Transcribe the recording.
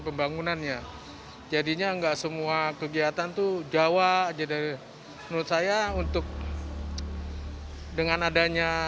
pembangunannya jadinya enggak semua kegiatan tuh jawa jadi menurut saya untuk dengan adanya